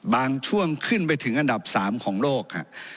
ช่วงขึ้นไปถึงอันดับ๓ของโลก